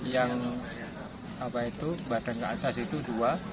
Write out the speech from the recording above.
yang apa itu badan ke atas itu dua